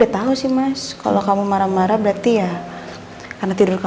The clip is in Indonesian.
tunggu bentar ya